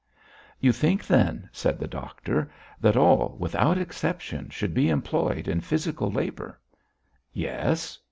"You think, then," said the doctor, "that all, without, exception, should be employed in physical labour?" "Yes."